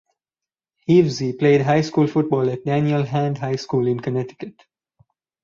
Hevesy played high school football at Daniel Hand High School in Connecticut.